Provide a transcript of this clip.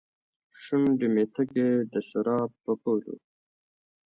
شونډې مې تږې ، دسراب په پولو